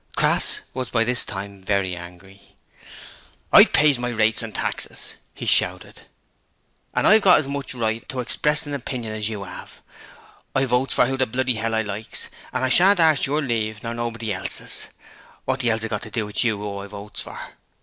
Crass was by this time very angry. 'I pays my rates and taxes,' he shouted, 'an' I've got as much right to express an opinion as you 'ave. I votes for who the bloody 'ell I likes. I shan't arst your leave nor nobody else's! Wot the 'ell's it got do with you who I votes for?'